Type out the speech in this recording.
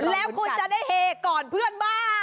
แล้วคุณจะได้เฮก่อนเพื่อนบ้าน